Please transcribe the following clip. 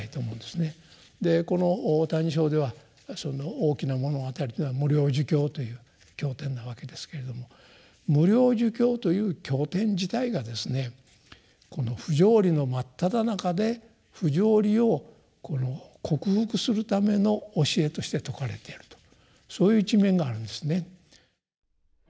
この「歎異抄」ではそんな大きな物語というのは「無量寿経」という経典なわけですけれども「無量寿経」という経典自体がですねこの不条理の真っただ中で不条理をこの克服するための教えとして説かれているとそういう一面があるんですね。